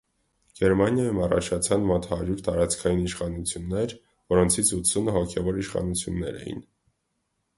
Գերմանիայում առաջացան մոտ հարյուր տարածքային իշխանություններ, որոնցից ութսունը հոգևոր իշխանություններ էին։